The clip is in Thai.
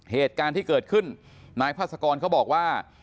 เหตุการณ์ที่เกิดขึ้นนายพาสกรเขาบอกว่า